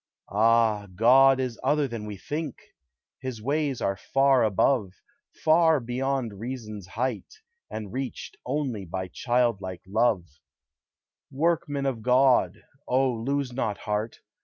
Ah! God is other than we think; His ways are far above, Far beyond reason's height, and reached Onlv bv childlike love. 300 THE HIGHER LIFE. Workman of God! O, lose not heart?